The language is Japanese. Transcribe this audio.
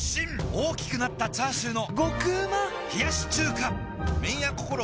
大きくなったチャーシューの麺屋こころ